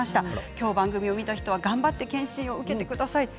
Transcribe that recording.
きょう番組を見た人は頑張って検診を受けてください。